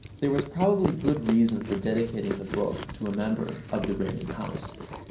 There was probably good reason for dedicating the book to a member of the reigning house.